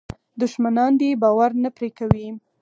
دښمنان دې باور نه پرې کوي.